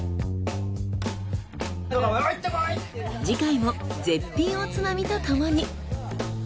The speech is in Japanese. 次回も絶品おつまみとともに。